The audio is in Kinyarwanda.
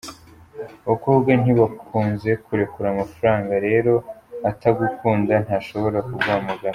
Abakobwa ntibakunze kurekura amafaranga rero atagukunda ntashobora kuguhamagara.